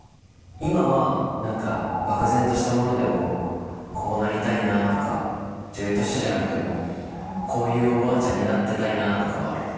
今は漠然としたものでもこうなりたいなとか女優としてじゃなくてもこういうおばあちゃんになってたいなとかはある？